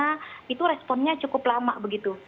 karena itu responnya cukup lama begitu